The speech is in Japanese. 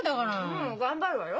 うん頑張るわよ。